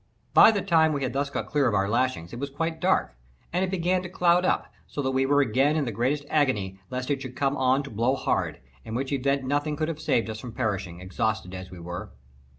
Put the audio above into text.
By the time we had thus got clear of our lashings it was quite dark, and it began to cloud up, so that we were again in the greatest agony lest it should come on to blow hard, in which event nothing could have saved us from perishing, exhausted as we were.